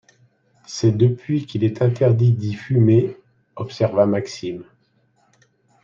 C’est depuis qu’il est interdit d’y fumer, observa Maxime.